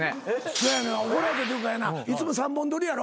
そうやねん怒られたというかやないつも３本撮りやろ？